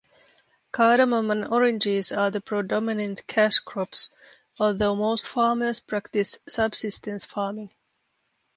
Cardamom and oranges are the predominant cash crops, although most farmers practice subsistence farming.